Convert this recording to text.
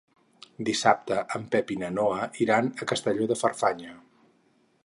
Dissabte en Pep i na Noa iran a Castelló de Farfanya.